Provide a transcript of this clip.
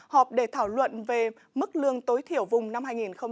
họp để thảo luận về mức lương tối thiểu vùng năm hai nghìn hai mươi